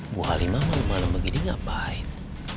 bu halimah malem malem begini ngapain